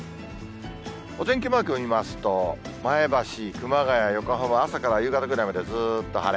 お天気マーク見ますと、前橋、熊谷、横浜、朝から夕方ぐらいまでずーっと晴れ。